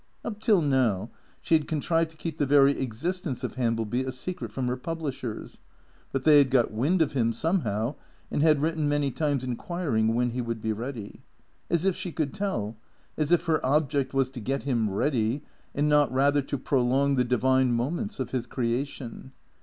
Up till now she had contrived to keep the very existence of Hambleby a secret from her publishers. But they had got wind of him somehow, and had written many times inquiring when he would be ready ? As if she could tell, as if her object was to get him ready, and not rather to prolong the divine moments of his creation.